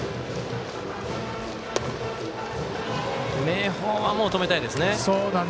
明豊は止めたいですね。